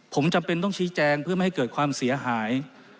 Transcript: ผมจำเป็นต้องชี้แจงเพื่อไม่ให้เกิดความเสียหาย